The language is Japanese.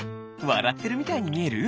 わらってるみたいにみえる？